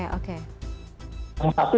ini komunikasi apa dan berapa serat gitu